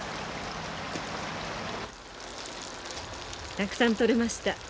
たくさん取れました。